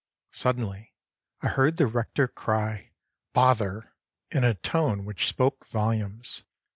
Suddenly I heard the rector cry, "Bother!" in a tone which spoke volumes.